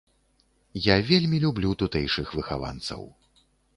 Я вельмі люблю тутэйшых выхаванцаў.